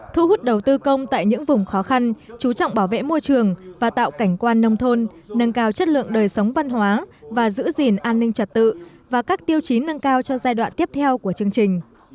thu hút đầu tư công tại những vùng khó khăn chú trọng bảo vệ môi trường và tạo cảnh quan nông thôn nâng cao chất lượng đời sống văn hóa và giữ gìn an ninh trật tự và các tiêu chí nâng cao cho giai đoạn tiếp theo của chương trình